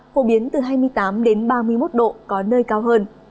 phổ biến từ hai mươi tám ba mươi một độ có nơi cao hơn